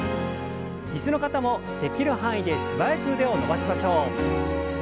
椅子の方もできる範囲で素早く腕を伸ばしましょう。